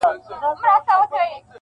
• د ایوب تر لوند ګرېوانه -